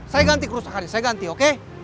saya ganti kerusakan saya ganti oke